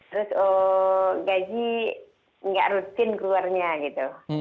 terus gaji nggak rutin keluarnya gitu